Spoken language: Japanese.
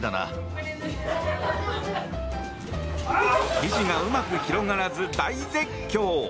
生地がうまく広がらず大絶叫。